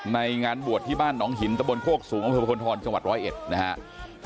ในงานบวชที่บ้านหนองหินตะบลโภคสูงอำเภพพลธรจังหวัด๑๐๑นะฮะ